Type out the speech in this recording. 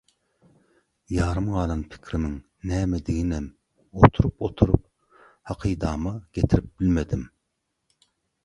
Ýarym galan pikirimiň nämediginem oturup-oturup hakydama getirip bilmedim.